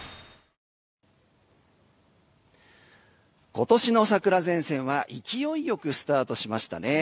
今年の桜前線は勢いよくスタートしましたね。